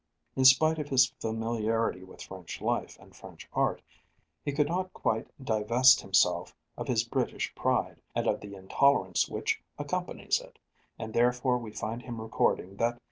In spite of his familiarity with French life and French art, he could not quite divest himself of his British pride, and of the intolerance which accompanies it, and therefore we find him recording that M.